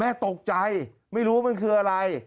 ตกใจไม่รู้ว่ามันคืออะไร